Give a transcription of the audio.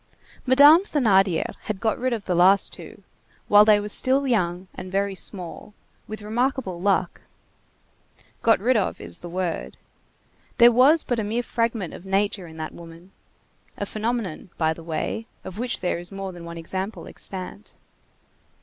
Madame Thénardier had got rid of the last two, while they were still young and very small, with remarkable luck. Got rid of is the word. There was but a mere fragment of nature in that woman. A phenomenon, by the way, of which there is more than one example extant.